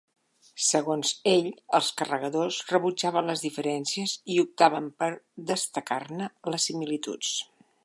Segons ell, els carregadors rebutjaven les diferències i optaven per destacar-ne les similituds.